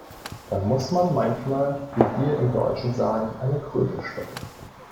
Da muss man manchmal wie wir im Deutschen sagen eine Kröte schlucken.